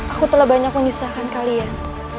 aku telah banyak menyusahkan kalian